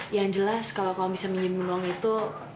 yang jelas kalau kamu bisa minyak minuang itu